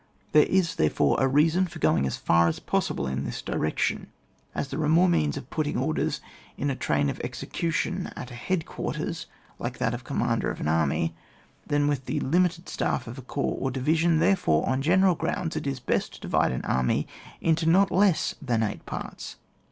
There is, therefore, a reason for going as far as possible in tixis direc tion. As there are more means of putting orders in a train for execution at a head quarters, like that of the commander of an army, than with the limited staff of a corps or division, therefore, on general grounds, it is best to divide an army into not less than eight parts.